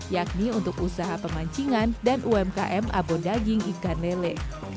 yakni untuk usaha pemancingan dan umkm abon daging ikan lele